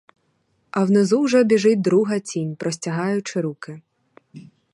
А внизу уже біжить друга тінь, простягаючи руки.